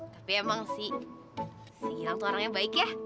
tapi emang si si gilang tuh orangnya baik ya